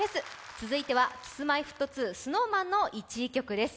続いてはＫｉｓ−Ｍｙ−Ｆｔ２、ＳｎｏｗＭａｎの１位曲です。